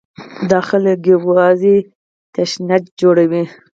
دا خلک یوازې تشنج جوړوي.